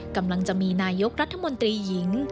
กำลังจะมีนายกรัฐมนตรีหญิง